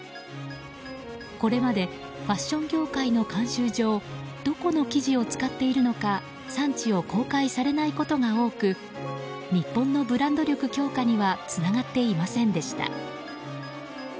これまでファッション業界の慣習上どこの生地を使っているのか産地を公開されないことが多く日本のブランド力強化にはつながっていませんでした。